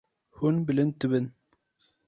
Hûn bilind dibin.